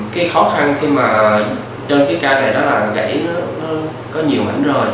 cái khó khăn trên cái ca này là gãy có nhiều mảnh rời